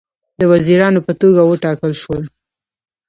د وزیرانو په توګه وټاکل شول.